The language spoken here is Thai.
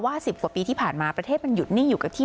สิบกว่าปีที่ผ่านมาประเทศมันหยุดนิ่งอยู่กับที่